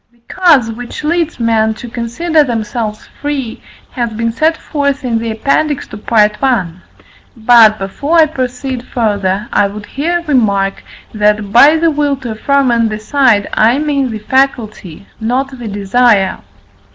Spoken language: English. The cause which leads men to consider themselves free has been set forth in the Appendix to Part I. But, before I proceed further, I would here remark that, by the will to affirm and decide, I mean the faculty, not the desire.